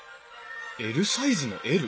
ＬサイズのＬ？